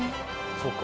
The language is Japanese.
そうか。